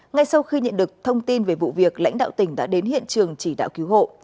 ngay sau khi nhận được thông tin về vụ việc lãnh đạo tỉnh đã đến hiện trường chỉ đạo cứu hộ